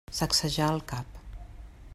Sacsejà el cap.